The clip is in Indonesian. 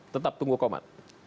tetap tunggu komat